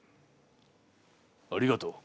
ありがとう。